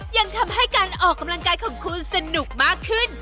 ยังทำให้การออกกำลังกายของคุณสนุกมากขึ้น